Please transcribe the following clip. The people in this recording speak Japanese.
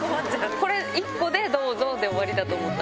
これ１個でどうぞで終わりだと思った？